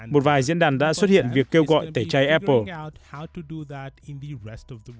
một vài diễn đàn đã xuất hiện việc kêu gọi tẩy chay apple